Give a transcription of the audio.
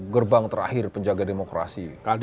gerbang terakhir penjaga demokrasi